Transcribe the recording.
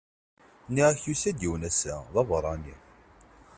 Nniɣ-ak yusa-d yiwen ass-a! d aberrani.